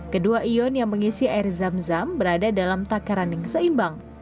kedua ion yang mengisi air zam zam berada dalam takaran yang seimbang